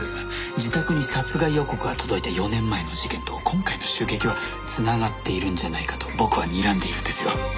自宅に殺害予告が届いた４年前の事件と今回の襲撃は繋がっているんじゃないかと僕はにらんでいるんですよ。